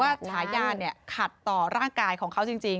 หมายความว่าฉายาเนี่ยขัดต่อร่างกายของเขาจริง